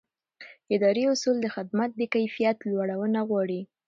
اداري اصول د خدمت د کیفیت لوړونه غواړي.